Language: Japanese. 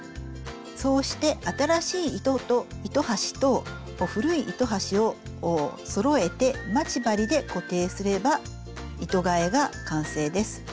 そうして新しい糸端と古い糸端をそろえて待ち針で固定すれば糸がえが完成です。